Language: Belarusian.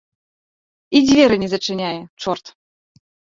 І дзверы не зачыняе, чорт.